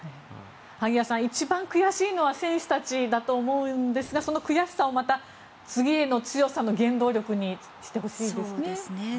萩谷さん、一番悔しいのは選手たちだと思うんですがその悔しさをまた次への強さへの原動力にしてほしいですね。